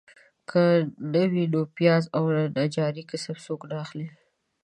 که نه وي نو پیاز او نجاري کسب څوک نه اخلي.